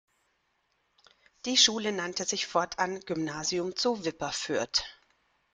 Die Schule nannte sich fortan „Gymnasium zu Wipperfürth“.